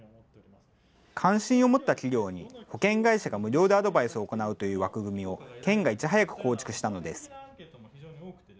関心を持った企業に保険会社が無料でアドバイスを行うという枠組みを県がいち早く構築したのです。